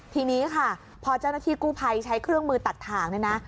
ทีนี้ค่ะพอเจ้าหน้าที่กู้ภัยใช้เครื่องมือตัดถ่างเนี่ยนะ